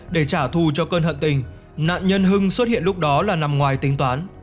để trả thù cho cơn hận tình nạn nhân hưng xuất hiện lúc đó là nằm ngoài tính toán